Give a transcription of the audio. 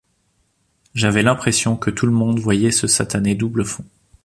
J’avais l’impression que tout le monde voyait ce satané double-fond.